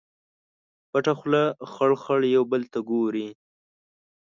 پټه خوله خړ، خړ یو بل ته ګوري